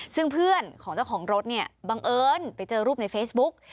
ซึ่งเพื่อนของเจ้าของรถเนี่ยบังเอิญไปเจอรูปในเฟซบุ๊ก